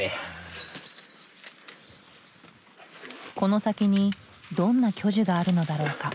この先にどんな巨樹があるのだろうか？